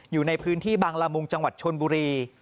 อยู่ในพื้นที่บางละมุงจังหวัดชนบุรี